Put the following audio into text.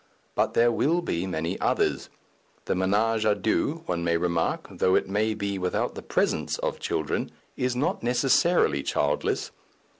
But there will be many others. The ménage à deux, one may remark, though it may be without the presence of children, is not necessarily childless.